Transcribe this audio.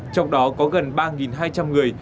trong đó có gần ba hai trăm linh người